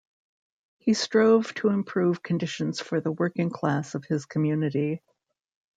He strove to improve conditions for the working class of his community.